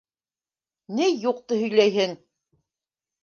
— Ни юҡты һөйләйһең!